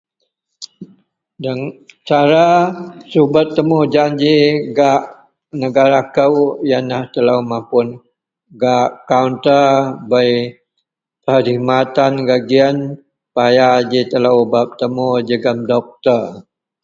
Cara subet temujanji gak negara kou yenlah telou mapun gak kaunta bei perkhidmatan gak giyen, paya ji telou bak betemu jegem dokter.